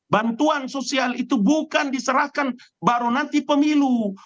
bantuan sosial itu bukan diserahkan baru nanti pemilu